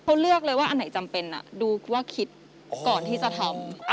เขาเลือกเลยว่าอันไหนจำเป็นดูว่าคิดก่อนที่จะทำ